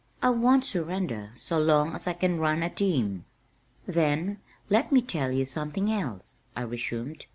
I won't surrender so long as I can run a team." "Then, let me tell you something else," I resumed.